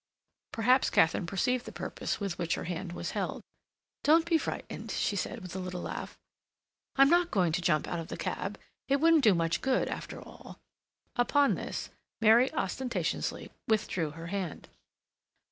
Perhaps Katharine perceived the purpose with which her hand was held. "Don't be frightened," she said, with a little laugh. "I'm not going to jump out of the cab. It wouldn't do much good after all." Upon this, Mary ostentatiously withdrew her hand.